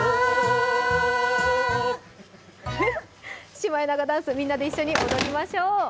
シマエナガダンス、みんなで一緒に踊りましょう。